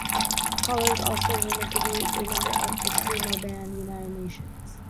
Koller is also rumored to be a member of the screamo band United Nations.